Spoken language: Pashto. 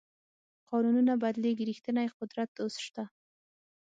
قانونونه بدلېږي ریښتینی قدرت اوس شته.